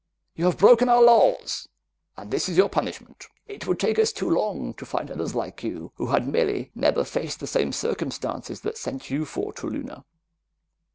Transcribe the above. You have broken our laws, and this is your punishment. "It would take us too long to find others like you who had merely never faced the same circumstances that sent you four to Luna.